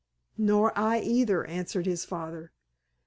"Nor I either," answered his father.